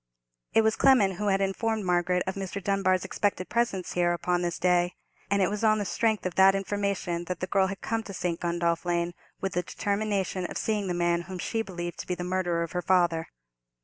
It was Clement who had informed Margaret of Mr. Dunbar's expected presence here upon this day; and it was on the strength of that information that the girl had come to St. Gundolph Lane, with the determination of seeing the man whom she believed to be the murderer of her father.